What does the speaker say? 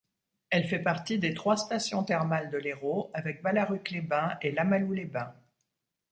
Elle fait partie des trois stations thermales de l'Hérault avec Balaruc-les-Bains et Lamalou-les-Bains.